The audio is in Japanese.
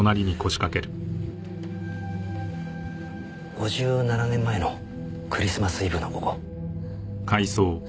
５７年前のクリスマスイブの午後。